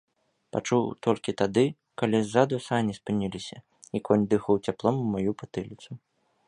Пачуў толькі тады, калі ззаду сані спыніліся, і конь дыхаў цяплом у маю патыліцу.